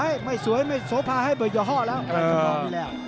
ไม่สวยไม่โสภาให้เบอร์ยี่ห้อแล้ว